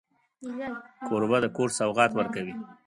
کوربه د کور سوغات ورکوي.